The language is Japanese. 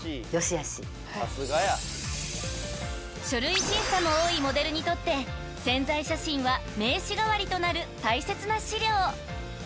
［書類審査も多いモデルにとって宣材写真は名刺代わりとなる大切な資料］